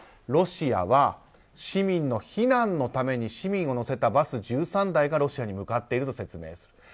ロシアは市民の避難のために市民を乗せたバス１３台がロシアに向かっていると説明する。